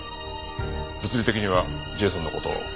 物理的にはジェイソンの事を。